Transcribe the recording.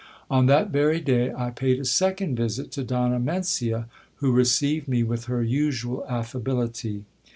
On that very day, I paid a second visit to Donna Mencia, who received me with her usual affability.